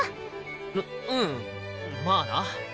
ううんまあな。